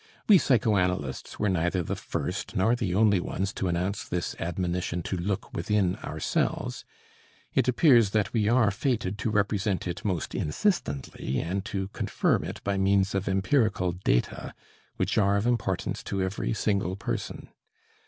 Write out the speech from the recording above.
We psychoanalysts were neither the first, nor the only ones to announce this admonition to look within ourselves. It appears that we are fated to represent it most insistently and to confirm it by means of empirical data which are of importance to every single person.